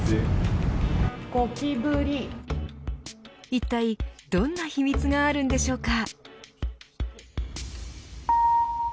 一体どんな秘密があるんでしょうか。